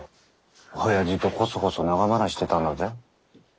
おやじとこそこそ長話してたんだぜ。